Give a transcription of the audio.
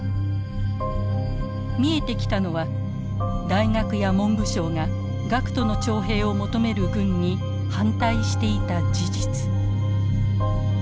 見えてきたのは大学や文部省が学徒の徴兵を求める軍に反対していた事実。